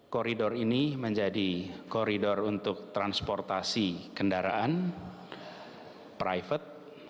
koridor ini menjadi koridor untuk transportasi kendaraan private